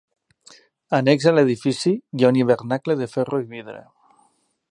Annex a l'edifici hi ha un hivernacle de ferro i vidre.